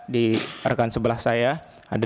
di rekan sebelah saya ada